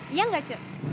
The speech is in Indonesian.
iya enggak cek